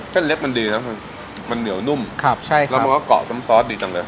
เล็บมันดีครับมันเหนียวนุ่มครับใช่ครับแล้วมันก็เกาะซ้ำซอสดีจังเลย